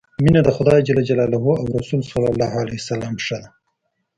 مینه د خدای ج او رسول ښه ده.